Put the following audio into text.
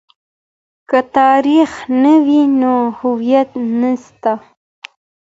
که تاريخ نه وي نو هويت نسته.